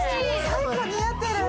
最高似合ってる。